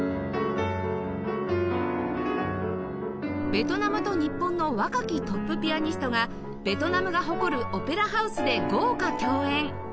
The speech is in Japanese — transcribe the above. ベトナムと日本の若きトップピアニストがベトナムが誇るオペラハウスで豪華共演